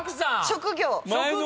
職業！